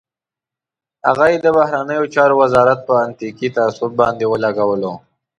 هغه یې د بهرنیو چارو وزارت په اتنیکي تعصب باندې ولړلو.